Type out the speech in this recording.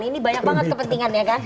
ini banyak banget kepentingannya kan